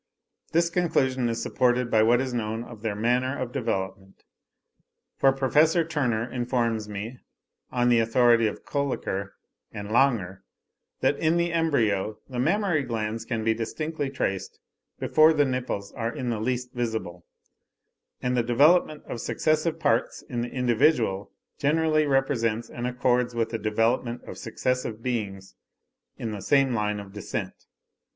This conclusion is supported by what is known of their manner of development; for Professor Turner informs me, on the authority of Kolliker and Langer, that in the embryo the mammary glands can be distinctly traced before the nipples are in the least visible; and the development of successive parts in the individual generally represents and accords with the development of successive beings in the same line of descent.